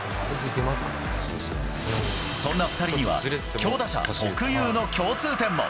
そんな２人には強打者特有の共通点も。